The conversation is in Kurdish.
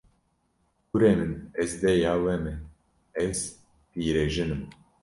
Kurê min, ez dêya we me, ez pîrejin im